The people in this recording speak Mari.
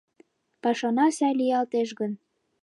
Пашана сай лиялеш гын